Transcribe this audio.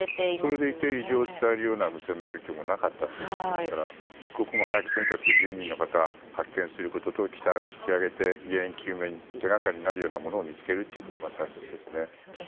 それでいて異常を伝える無線のやり取りもなかったということですから一刻も早くとにかく１０人の方を発見することと機体を引き揚げて原因究明手掛かりになるようなものを見つけることが大切ですね。